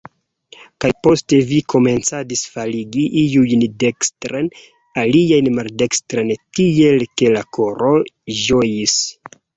Kaj poste vi komencadis faligi iujn dekstren, aliajn maldekstren, tiel ke la koro ĝojis.